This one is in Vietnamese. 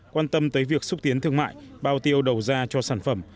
quan tâm tới việc xúc tiến thương mại bao tiêu đầu ra cho sản phẩm